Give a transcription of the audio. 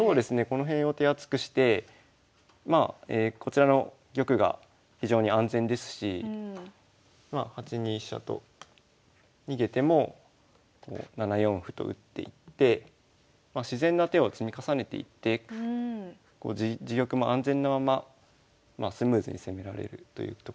この辺を手厚くしてこちらの玉が非常に安全ですし８二飛車と逃げても７四歩と打っていって自然な手を積み重ねていって自玉も安全なままスムーズに攻められるというところで。